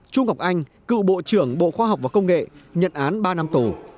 trung học anh cựu bộ trưởng bộ khoa học và công nghệ nhận án ba năm tù